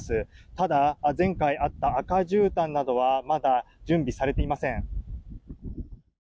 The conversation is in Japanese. ただ、前回あった赤じゅうたんなどはまだ準備されていません。